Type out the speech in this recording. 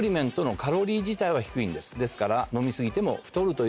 ですから。